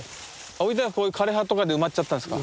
置いたらこういう枯れ葉とかで埋まっちゃったんすか？